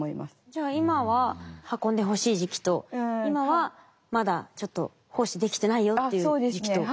じゃあ今は運んでほしい時期と今はまだちょっと胞子できてないよっていう時期と。